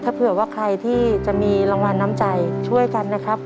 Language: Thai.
ถ้าเผื่อว่าใครที่จะมีรางวัลน้ำใจช่วยกันนะครับ